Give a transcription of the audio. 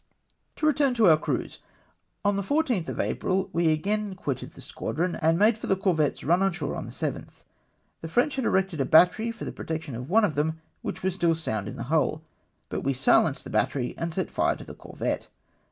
To return to our cruise. On the 14 th of April we agam quitted the squadron, and made for the corvettes run on shore on the 7th. The French had erected a battery for the protection of one of them which was still sound in the hull ; but we silenced the battery and set fire to the corvette.